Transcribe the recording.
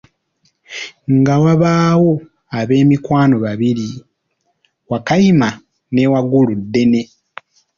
Nga wabaawo ab’emikwano babiri: Wakayima ne Wagguluddene.